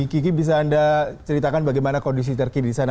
kiki bisa anda ceritakan bagaimana kondisi terkini di sana